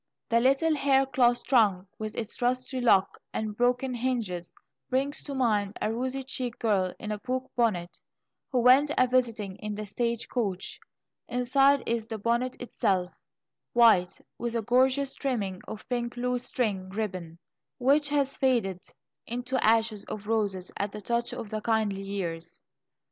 The little hair cloth trunk, with its rusty lock and broken hinges, brings to mind a rosy cheeked girl in a poke bonnet, who went a visiting in the stage coach. Inside is the bonnet itself white, with a gorgeous trimming of pink "lute string" ribbon, which has faded into ashes of roses at the touch of the kindly years.